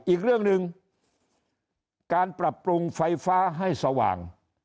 อีกเรื่องหนึ่งการปรับปรุงไฟฟ้าให้สว่าง